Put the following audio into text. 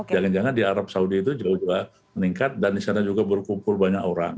jangan jangan di arab saudi itu jauh jauh meningkat dan di sana juga berkumpul banyak orang